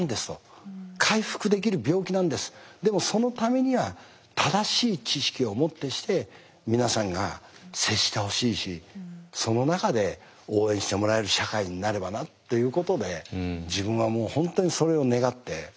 これはでもそのためには正しい知識をもってして皆さんが接してほしいしその中で応援してもらえる社会になればなっていうことで自分はもう本当にそれを願って。